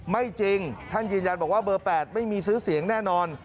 ไม่จริงท่านยืนยันบอกว่าเบอร์๘ไม่มีซื้อเสียงแน่นอน